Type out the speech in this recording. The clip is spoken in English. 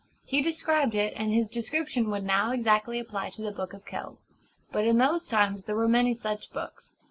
He described it; and his description would now exactly apply to the Book of Kells. But in those times there were many such books.